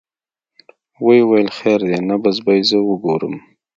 ويې ويل خير دى نبض به يې زه وګورم.